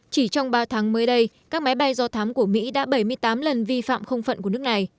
chỉ trong ba tháng mới đây các máy bay do thám của mỹ đã bảy mươi tám lần vi phạm không phận của nước này